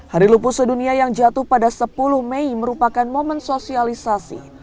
hari lupus sedunia yang jatuh pada sepuluh mei merupakan momen sosialisasi